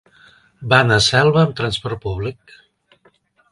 Va anar a Selva amb transport públic.